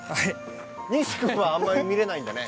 西君は、あまり見れないんだね。